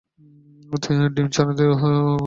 ডিম বা ছানাতেই ওকে সন্তুষ্ট হতে হল।